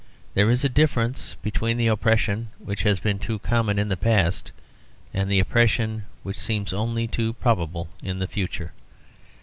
There is a difference between the oppression which has been too common in the past and the oppression which seems only too probable in the future.